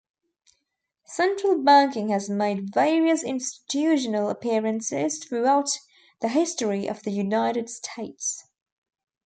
Central banking has made various institutional appearances throughout the history of the United States.